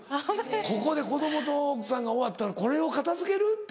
ここで子供と奥さんが終わったらこれを片付けるって。